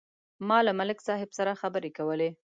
ما له ملک صاحب سره خبرې کولې.